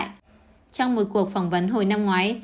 trong một cuộc phỏng vấn hồi năm ngoái